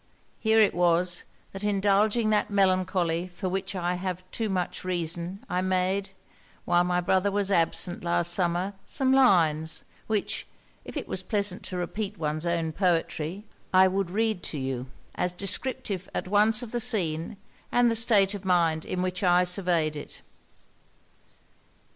Here it was, that indulging that melancholy for which I have too much reason, I made, while my brother was absent last summer, some lines, which, if it was pleasant to repeat one's own poetry, I would read to you, as descriptive at once of the scene, and the state of mind in which I surveyed it.'